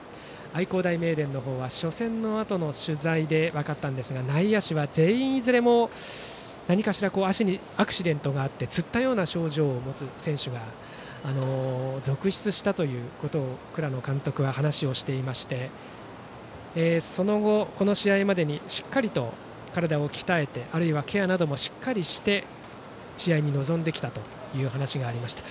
愛工大名電は初戦のあとの取材で分かったんですが内野手は全員いずれも何かしら足にアクシデントがあってつったような症状を持つ選手が続出したということを倉野監督は話をしていましてその後、この試合までにしっかりと体を鍛えてあるいはケアなどもしっかりして試合に臨んできたという話がありました。